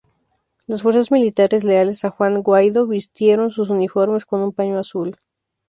Las fuerzas militares leales a Juan Guaidó vistieron sus uniformes con un paño azul.